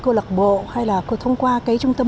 cô lạc bộ hay là cô thông qua cái trung tâm